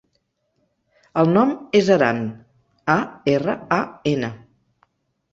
El nom és Aran: a, erra, a, ena.